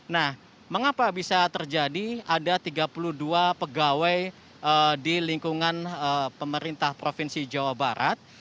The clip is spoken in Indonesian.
nah mengapa bisa terjadi ada tiga puluh dua pegawai di lingkungan pemerintah provinsi jawa barat